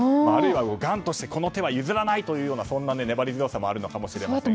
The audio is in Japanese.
頑としてこの手は譲らないというそんな粘り強さもあるのかもしれません。